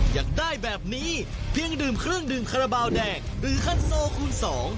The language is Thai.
อยากได้แบบนี้เพียงดื่มเครื่องดื่มคาราบาลแดงหรือคันโซคูณสอง